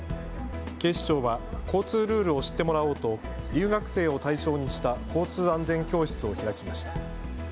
警視庁は交通ルールを知ってもらおうと留学生を対象にした交通安全教室を開きました。